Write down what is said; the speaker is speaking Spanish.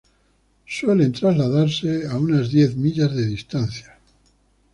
Suelen trasladarse a unas diez millas de distancia.